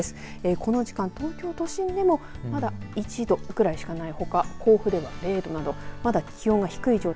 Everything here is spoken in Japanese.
この時間、東京都心でもまだ１度ぐらいしかないほか甲府では０度など気温が低い状態